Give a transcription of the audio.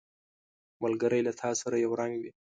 ملګری له تا سره یو رنګ وي